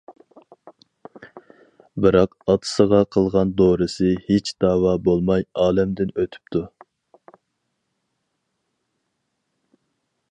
بىراق ئاتىسىغا قىلغان دورىسى ھېچ داۋا بولماي ئالەمدىن ئۆتۈپتۇ.